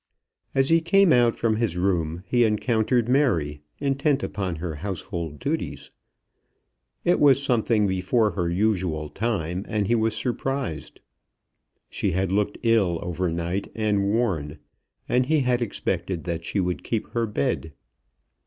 As he came out from his room, he encountered Mary, intent upon her household duties. It was something before her usual time, and he was surprised. She had looked ill overnight and worn, and he had expected that she would keep her bed.